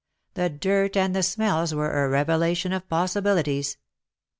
The dirt and the smells were a revelation of possibilities.